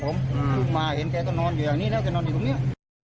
หลุดมาเห็นแกก็นอนอยู่อย่างนี้แล้วแกนอนอยู่ตรงนี้